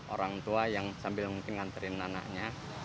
orang tua yang sambil mengantarin anaknya